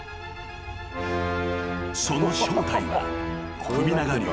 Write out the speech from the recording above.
［その正体は首長竜